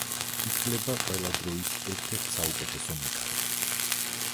ითვლება ყველა დროის ერთ-ერთ საუკეთესო მეკარედ.